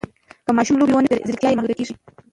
که ماشوم لوبې ونه کړي، ځیرکتیا یې محدوده کېږي.